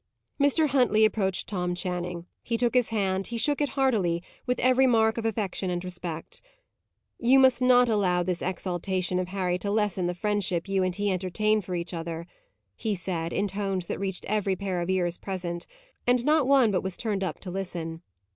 Mr. Huntley approached Tom Channing. He took his hand; he shook it heartily, with every mark of affection and respect. "You must not allow this exaltation of Harry to lessen the friendship you and he entertain for each other," he said, in tones that reached every pair of ears present and not one but was turned up to listen.